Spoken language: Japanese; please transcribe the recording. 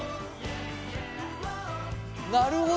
なるほど。